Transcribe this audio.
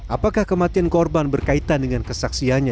apakah kematian korban berkaitan dengan kesaksiannya